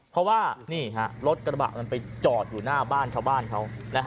เพราะว่านี่รถกระบะมันไปจอดอยู่หน้าบ้านชาวบ้านเขา